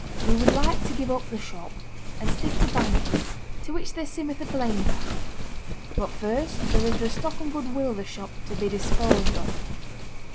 We would like to give up the shop, and stick to banking, to which there seemeth a plain path. But first there is the stock and goodwill of the shop to be disposed on.'